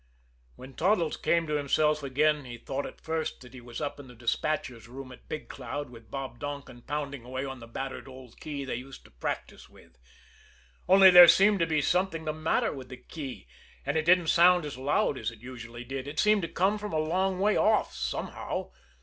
When Toddles came to himself again, he thought at first that he was up in the despatcher's room at Big Cloud with Bob Donkin pounding away on the battered old key they used to practise with only there seemed to be something the matter with the key, and it didn't sound as loud as it usually did it seemed to come from a long way off somehow.